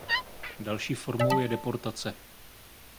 Další formou je deportace.